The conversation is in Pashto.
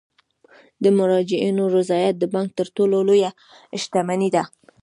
د مراجعینو رضایت د بانک تر ټولو لویه شتمني ده.